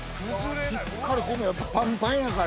しっかりしてんなやっぱパンパンやから。